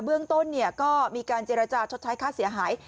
เบื้องต้นก็มีการเจรจาชดใช้ค่าเสียหาย